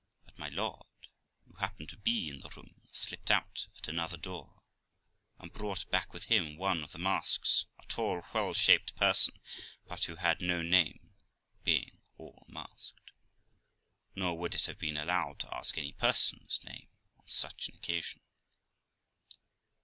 But my Lord , who happened to be in the room, slipped out at another door, and brought back with him one of the masks, a tall, well shaped person, but who had no name, being all masked; nor would it have been allowed to ask any person's name on such an occasion.